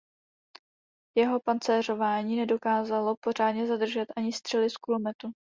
Jeho „pancéřování“ nedokázalo pořádně zadržet ani střely z kulometu.